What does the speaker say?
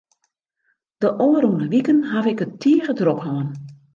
De ôfrûne wiken haw ik it tige drok hân.